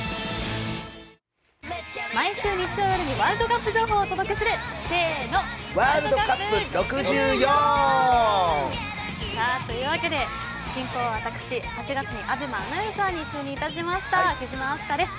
毎週日曜夜にワールドカップ情報をお届けする「ワールドカップ６４」！というわけで進行は私、８月にＡＢＥＭＡアナウンサーに就任しました貴島明日香です。